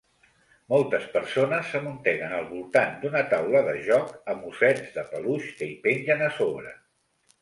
Moltes persones s'amunteguen al voltant d'una taula de joc amb ossets de peluix que hi pengen a sobre.